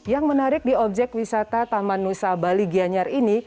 yang menarik di objek wisata taman nusa bali gianyar ini